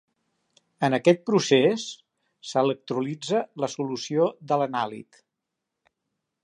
En aquest procés, s'electrolitza la solució de l'anàlit.